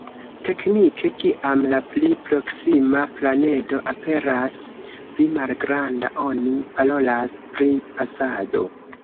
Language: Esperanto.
Teknike, kiam la pli proksima planedo aperas pli malgranda oni parolas pri pasado.